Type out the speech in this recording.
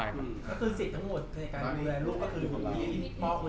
จากความไม่เข้าจันทร์ของผู้ใหญ่ของพ่อกับแม่